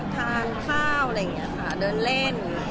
ทานข้าวอะไรอย่างนี้ค่ะเดินเล่น